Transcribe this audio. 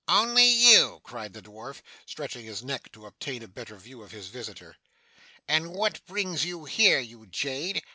'Only you!' cried the dwarf, stretching his neck to obtain a better view of his visitor. 'And what brings you here, you jade?